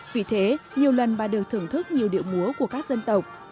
vì thế nhiều lần bà được thưởng thức nhiều điệu múa của các dân tộc